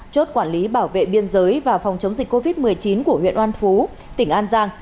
chốt quản lý bảo vệ biên giới và phòng chống dịch covid một mươi chín của huyện an phú tỉnh an giang